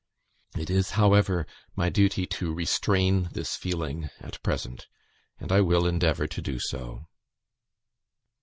It is, however, my duty to restrain this feeling at present, and I will endeavour to do so."